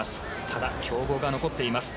ただ、強豪が残っています。